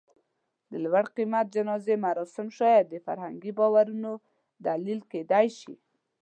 د لوړ قېمت جنازې مراسم شاید د فرهنګي باورونو دلیل کېدی شي.